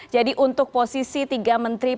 jadi untuk posisi yang terbaik apa yang akan terjadi